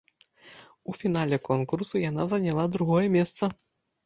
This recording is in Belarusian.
У фінале конкурсу яна заняла другое месца.